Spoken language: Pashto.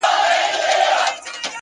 د زړه سکون له صداقت پیدا کېږي’